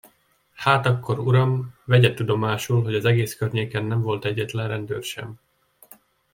Hát akkor, uram, vegye tudomásul, hogy az egész környéken nem volt egyetlen rendőr sem.